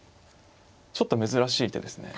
ちょっと珍しい手ですね